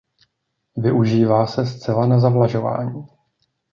Využívá se zcela na zavlažování.